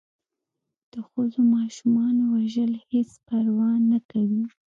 د ښځو و ماشومانو وژل هېڅ پروا نه کوي.